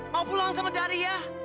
mau pulang sama dari ya